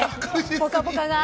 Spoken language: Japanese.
「ぽかぽか」が。